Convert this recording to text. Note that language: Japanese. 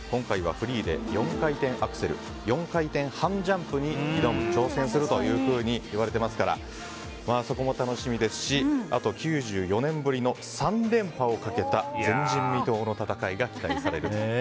フリーで４回転アクセル４回転半ジャンプに挑戦するというふうにいわれてますからそこも楽しみですしあと９４年ぶりの３連覇をかけた前人未到の戦いが期待されると。